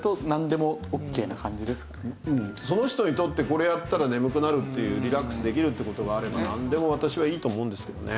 その人にとってこれやったら眠くなるっていうリラックスできるっていう事があればなんでも私はいいと思うんですけどね。